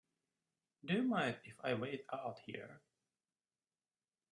Do you mind if I wait out here?